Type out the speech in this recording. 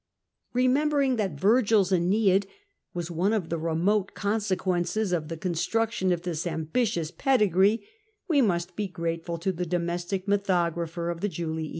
Eemembering that VirgiFs dSneid was one of the remote consequences of the construction of this ambitious pedigree, we must be grateful to the domestic mythographer of the Julii.